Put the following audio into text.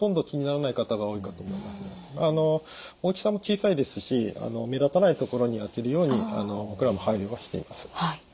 大きさも小さいですし目立たないところにあけるように僕らも配慮はしています。